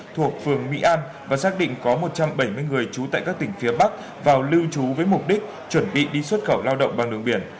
thuộc phường mỹ an và xác định có một trăm bảy mươi người trú tại các tỉnh phía bắc vào lưu trú với mục đích chuẩn bị đi xuất khẩu lao động bằng đường biển